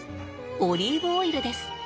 オリーブオイルです。